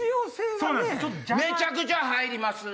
めちゃくちゃ入ります！